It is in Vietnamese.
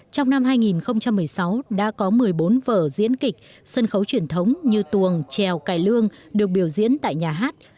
trong năm hai nghìn một mươi sáu đã có một mươi bốn vở diễn kịch sân khấu truyền thống như tuồng trèo cải lương được biểu diễn tại nhà hát